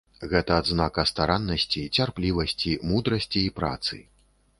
Гэта адзнака стараннасці, цярплівасці, мудрасці і працы.